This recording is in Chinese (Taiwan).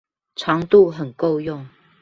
長度很夠用